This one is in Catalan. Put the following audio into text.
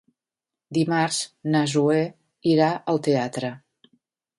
Dimarts na Zoè irà al teatre.